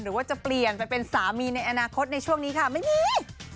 หรือว่าจะเปลี่ยนไปเป็นสามีในอนาคตในช่วงนี้ค่ะไม่มี